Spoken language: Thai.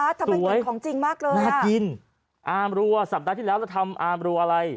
ทำไมเหมือนของจริงมากเลยน่ากินอามรัวสัปดาห์ที่แล้วจะทำอามรัวอะไร